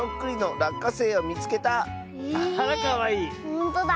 ほんとだ。